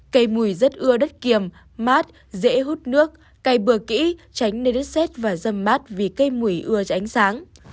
cây mùi rất ưa đất kiềm mát dễ hút nước cày bừa kỹ tránh nơi đất xét và râm mát vì cây mùi ưa cho ánh sáng